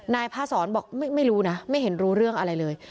นายพาศรบอกไม่รู้นะไม่เห็นรู้เรื่องอะไรเลย